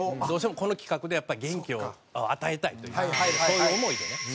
どうしてもこの企画でやっぱり元気を与えたいというそういう思いでね。